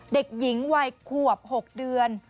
เด็กหญิงวัยขวบ๖เดือน